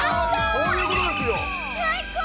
こういうことですよ最高！